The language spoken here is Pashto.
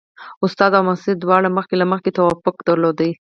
استاد او محصل دواړو مخکې له مخکې توافق درلود.